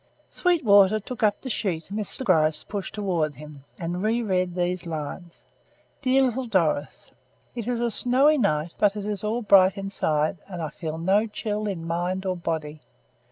Sweetwater took up the sheet Mr. Gryce pushed towards him and re read these lines: "Dear Little Doris: "It is a snowy night, but it is all bright inside and I feel no chill in mind or body.